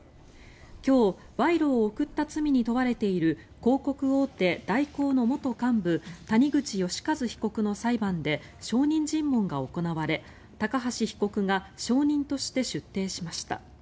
今日、賄賂を贈った罪に問われている広告大手、大広の元幹部谷口義一被告の裁判で証人尋問が行われ、高橋被告が証人として出廷しました。